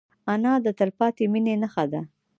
انا د تلپاتې مینې نښه ده